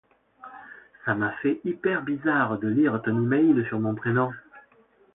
Ça m’a fait hyper bizarre de lire ton email sur mon prénom.